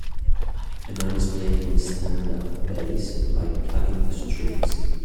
A man is playing on a stand up bass by plucking the strings.